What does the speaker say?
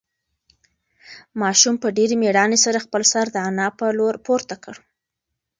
ماشوم په ډېرې مېړانې سره خپل سر د انا په لور پورته کړ.